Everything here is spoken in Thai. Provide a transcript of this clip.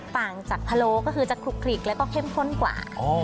ต่างจากพะโลก็คือจะคลุกคลิกแล้วก็เข้มข้นกว่า